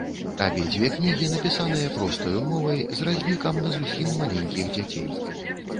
Абедзве кнігі напісаныя простаю мовай, з разлікам на зусім маленькіх дзяцей.